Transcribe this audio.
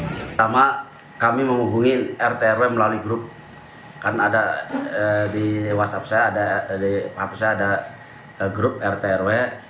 sama kami menghubungi rtw melalui grup kan ada di whatsapp saya ada dari hapus ada grup rtw